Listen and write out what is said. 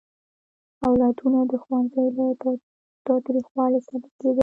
اولادونه د ښوونځي له تاوتریخوالي ساتل کېدل.